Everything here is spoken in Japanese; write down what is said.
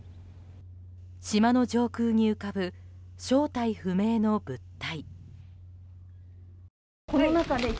島の上空に浮かぶ正体不明の物体。